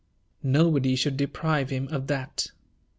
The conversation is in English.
Nobody should deprive him of that.